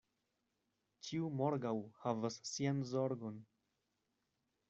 Ĉiu morgaŭ havas sian zorgon.